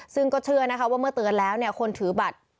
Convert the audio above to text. ซึ่งก็เชื่อว่าเมื่อเตือนแล้วคนถือบัตร